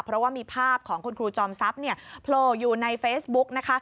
เพราะว่ามีภาพของคุณครูจอมทรัพย์โผล่อยู่ในเฟซบุ๊กนะคะ